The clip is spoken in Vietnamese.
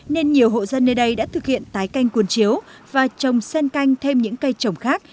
nên nhiều hộ dân nơi đây đã thực hiện tái canh cuốn chiếu và trồng sen canh thêm những cây trồng khác